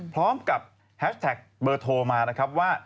พร้อมกับแฮชแท็กเบอร์โทรมานะครับว่า